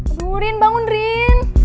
aduh rin bangun rin